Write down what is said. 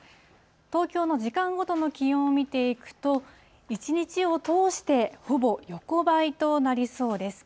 東京の時間ごとの気温を見ていくと、一日を通してほぼ横ばいとなりそうです。